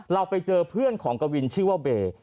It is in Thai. เราไปเจอเพื่อนของกวินชื่อว่าเบย์